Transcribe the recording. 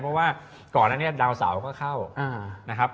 เพราะว่าก่อนนั้นเนี่ยดาวเสาก็เข้านะครับ